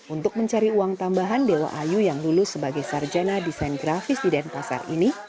untuk mencari uang tambahan dewa ayu yang lulus sebagai sarjana desain grafis di denpasar ini